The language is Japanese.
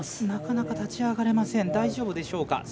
なかなか立ち上がれません大丈夫でしょうか。